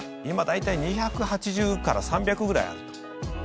「今大体２８０から３００ぐらいある」と。